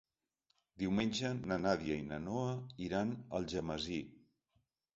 Diumenge na Nàdia i na Noa iran a Algemesí.